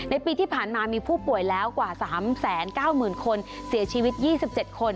ปีที่ผ่านมามีผู้ป่วยแล้วกว่า๓๙๐๐คนเสียชีวิต๒๗คน